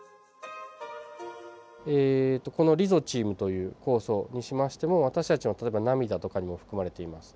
えっとこのリゾチームという酵素にしましても私たちの例えば涙とかにも含まれています。